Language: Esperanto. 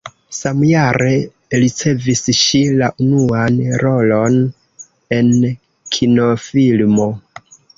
Samjare ricevis ŝi la unuan rolon en kinofilmo.